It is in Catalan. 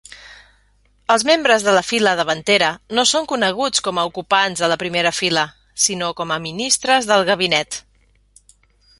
Els membres de la fila davantera no són coneguts com a ocupants de la primera fila, sinó com a ministres del gabinet.